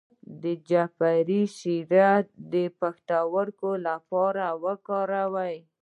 د جعفری شیره د پښتورګو لپاره وکاروئ